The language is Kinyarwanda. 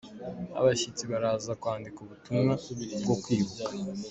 Abashyitsi baraza kwandika ubutumwa bwo Kwibuka